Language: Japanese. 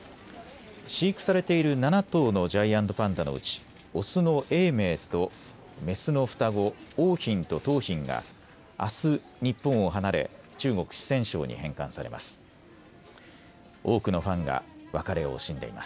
飼育されている７頭のジャイアントパンダのうち雄の永明と雌の双子桜浜と桃浜があす日本を離れ中国・四川省に返還されます。